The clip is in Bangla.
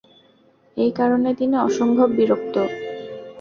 এই কারণে তিনি অসম্ভব বিরক্ত।